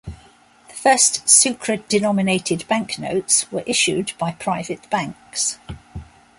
The first sucre-denominated banknotes were issued by private banks.